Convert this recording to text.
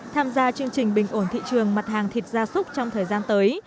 tham gia chương trình bình ổn thị trường mặt hàng thịt gia súc trong thời gian tới